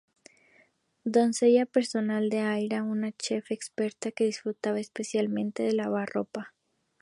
Doncella personal de Aria, una chef experta que disfruta especialmente de lavar la ropa.